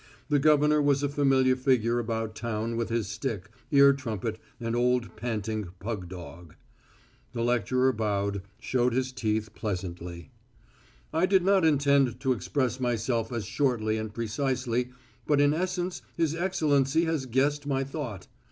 The governor was a familiar figure about town with his stick, ear trumpet, and old panting pug dog. The lecturer bowed, showing his teeth pleasantly. "I did not intend to express myself as shortly and precisely, but in essence his Excellency has guessed my thought.